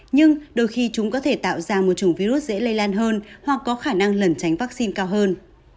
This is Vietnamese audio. nhưng đôi khi chúng có thể tạo ra một chủng virus dễ lây lan hơn hoặc có khả năng lẩn tránh vaccine cao hơn